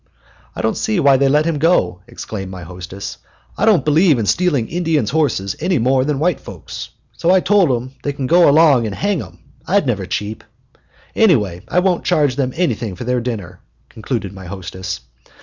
"I don't see why they let him go," exclaimed my hostess. "I don't believe in stealing Indians' horses any more than white folks'; so I told 'em they could go along and hang him I'd never cheep. Anyhow, I won't charge them anything for their dinner," concluded my hostess.